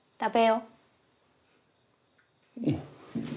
うん。